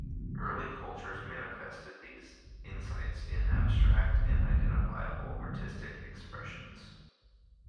Early cultures manifested these insights in abstract and identifiable artistic expressions.